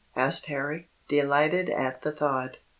asked Harry, delighted at the thought.